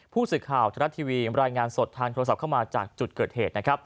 ผู้สื่อข่าวทรัฐทีวีรายงานสดทางโทรศัพท์เข้ามาจากจุดเกิดเหตุ